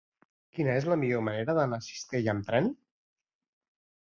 Quina és la millor manera d'anar a Cistella amb tren?